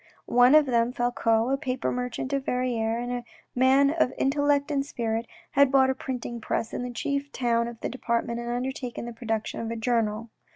One of them, Falcoz, a paper merchant of Verrieres, and a man of intellect and spirit, had bought a printing press in the chief town of the department and undertaken the production of a journal.